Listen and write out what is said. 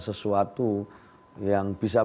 sesuatu yang bisa